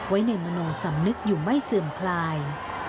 ไว้ในมโนสำนึกอยู่ไม่เสื่อมคลาย